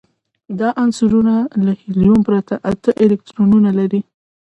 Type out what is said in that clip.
دا عنصرونه له هیلیوم پرته اته الکترونونه لري.